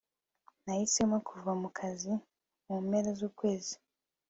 nahisemo kuva mu kazi mu mpera z'ukwezi